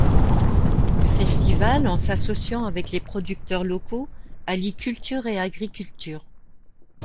Le festival, en s'associant avec les producteurs locaux, allie culture et agriculture.